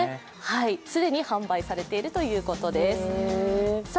既に販売されているということです。